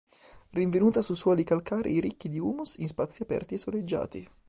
Rinvenuta su suoli calcarei ricchi di humus in spazi aperti e soleggiati.